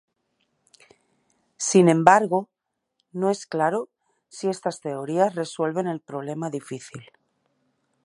Sin embargo, no es claro si estas teorías resuelven el problema difícil.